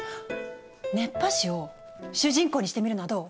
熱波師を主人公にしてみるのはどう？